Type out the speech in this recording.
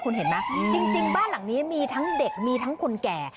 คุณเห็นไหมจริงบ้านหลังนี้มีทั้งเด็กมีทั้งคนแก่